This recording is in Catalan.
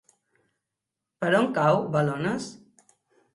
Per on cau Balones?